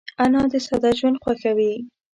انا د ساده ژوند خوښوي